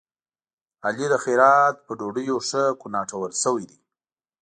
علي د خیرات په ډوډيو ښه کوناټور شوی دی.